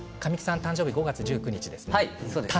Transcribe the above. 神木さん誕生日５月１９日ですね。